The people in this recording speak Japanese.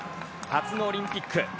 初のオリンピック。